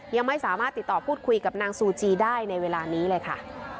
ยังไม่สามารถติดต่อพูดคุยกับนางซูจีได้ในเวลานี้เลยค่ะ